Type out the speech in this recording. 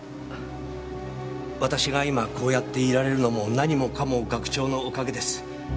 私が今こうやっていられるのも何もかも学長のおかげです。